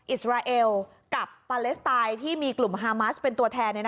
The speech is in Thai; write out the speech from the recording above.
อิสราเอลกับปาเลสไตน์ที่มีกลุ่มฮามัสเป็นตัวแทน